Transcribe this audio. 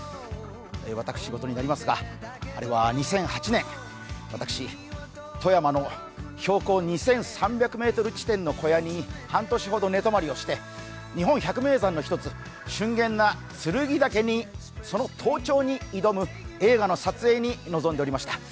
私ごとになりますが、あれは２００８年、私、富山の標高２３００ｍ地点の小屋に半年ほど寝泊まりをして日本百名山の一つ、剱岳その登頂に挑む映画の撮影に臨んでおりました。